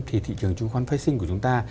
thị trường chứng khoán phái sinh của chúng ta